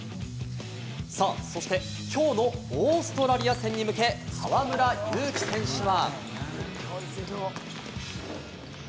そして、今日のオーストラリア戦に向け、河村勇輝選手は。